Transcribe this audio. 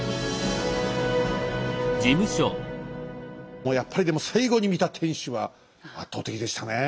もうやっぱりでも最後に見た天主は圧倒的でしたね。